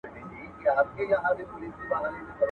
چي هغوى خيالي ټوكران پرې ازمېيله .